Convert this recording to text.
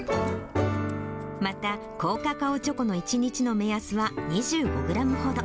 また、高カカオチョコの１日の目安は２５グラムほど。